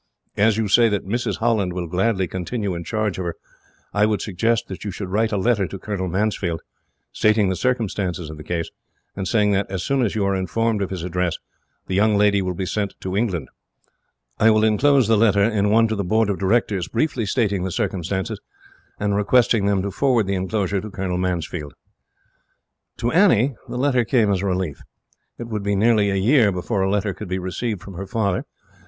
As you say that Mrs. Holland will gladly continue in charge of her, I would suggest that you should write a letter to Colonel Mansfield, stating the circumstances of the case, and saying that, as soon as you are informed of his address, the young lady will be sent to England. I will enclose the letter in one to the Board of Directors, briefly stating the circumstances, and requesting them to forward the enclosure to Colonel Mansfield." To Annie, the letter came as a relief. It would be nearly a year before a letter could be received from her father.